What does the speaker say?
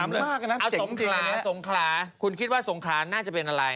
๒๓เลยเอาสงคราสงคราคุณคิดว่าสงคราน่าจะเป็นอะไร